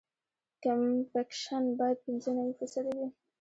کمپکشن باید پینځه نوي فیصده وي